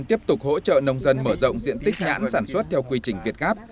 tiếp tục hỗ trợ nông dân mở rộng diện tích nhãn sản xuất theo quy trình việt gáp